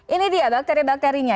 ini dia bakteri bakterinya